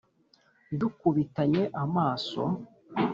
dukubitanye amaso